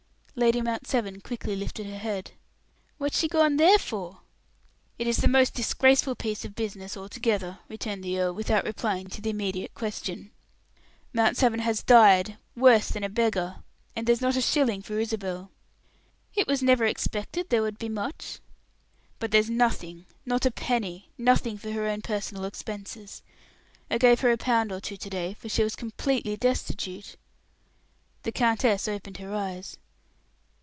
Lady Mount Severn quickly lifted her head, "What's she gone there for?" "It is the most disgraceful piece of business altogether," returned the earl, without replying to the immediate question. "Mount Severn has died, worse than a beggar, and there's not a shilling for Isabel." "It never was expected there would be much." "But there's nothing not a penny; nothing for her own personal expenses. I gave her a pound or two to day, for she was completely destitute!" The countess opened her eyes.